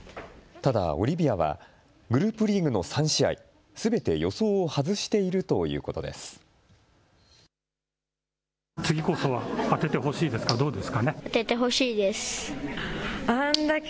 ただオリビアはグループリーグの３試合、すべて予想を外しているということです。